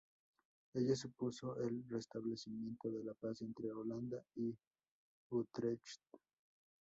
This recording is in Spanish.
Ello supuso el restablecimiento de la paz entre Holanda y Utrecht.